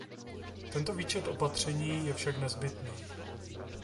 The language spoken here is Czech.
Tento výčet opatření je však nezbytný.